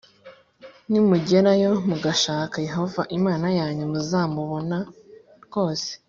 “Nimugerayo mugashaka Yehova Imana yanyu, muzamubona rwose,